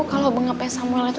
kalo bengapnya samuel itu